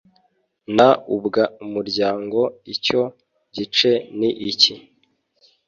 n ubw umuryango Icyo gice ni iki